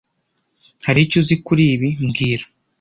Hari icyo uzi kuri ibi mbwira